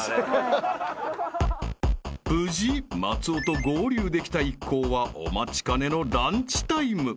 ［無事松尾と合流できた一行はお待ちかねのランチタイム］